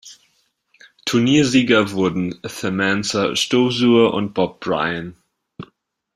Turniersieger wurden Samantha Stosur und Bob Bryan.